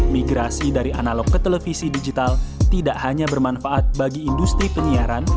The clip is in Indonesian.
migrasi dari analog ke televisi digital tidak hanya bermanfaat bagi industri penyiaran